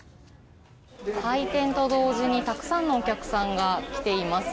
開店と同時にたくさんのお客さんが来ています。